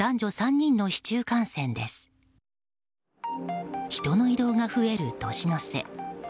人の移動が増える年の瀬。